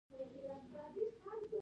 ورلسټ پوځونه د دې لپاره لېږلي دي.